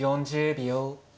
４０秒。